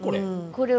これ？